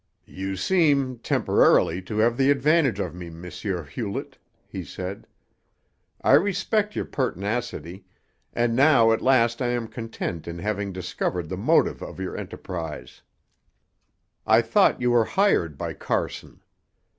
"You seem temporarily to have the advantage of me, M. Hewlett," he said. "I respect your pertinacity, and now at last I am content in having discovered the motive of your enterprise. I thought you were hired by Carson.